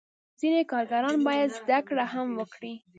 ځینې کارګران باید زده کړه هم وکړي.